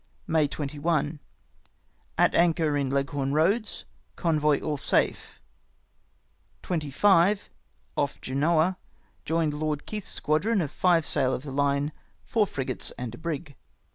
" May 21. — At anchor in Leghorn Eoads. Convoy all safe. 25. — Off Genoa. Joined Lord Keith's squadron of five sail of the line, four frigates and a brig.